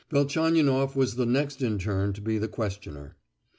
Velchaninoff was the next in turn to be the questioner.